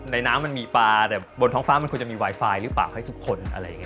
ในน้ำมันมีปลาแต่บนท้องฟ้ามันควรจะมีไวไฟหรือเปล่าให้ทุกคน